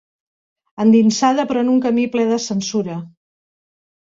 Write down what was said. Endinsada però en un camí pler de censura.